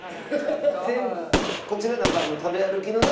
こちらなんか食べ歩きのね